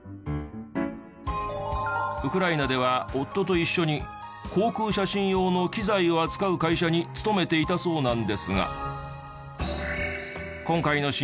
ウクライナでは夫と一緒に航空写真用の機材を扱う会社に勤めていたそうなんですが。